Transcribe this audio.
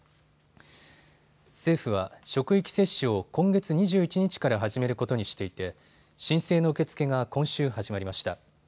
政府は職域接種を今月２１日から始めることにしていて申請の受け付けが今週始まりました。